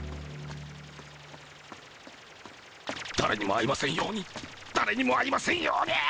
だれにも会いませんようにだれにも会いませんように。